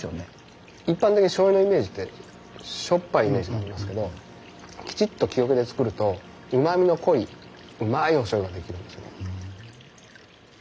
一般的にしょうゆのイメージってしょっぱいイメージがありますけどきちっと木桶で造るとうまみの濃いうまいおしょうゆが出来るんですよね。